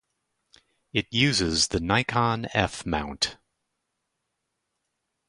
It uses the Nikon F mount.